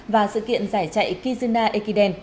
và sự kiện giải chạy kizuna ekiden